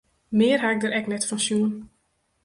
Mear ha ik dêr ek net fan sjoen.